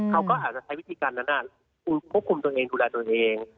เขาก็อาจจะใช้วิธีการนั้นควบคุมตัวเองดูแลตัวเอง